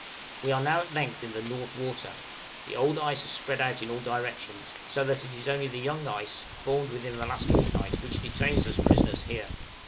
We are now at length in the "North Water;" the old ice has spread out in all directions, so that it is only the young ice formed within the last fortnight which detains us prisoners here.